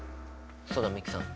そうだ美樹さん。